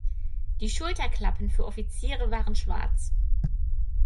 Die Schulterklappen für Offiziere waren schwarz.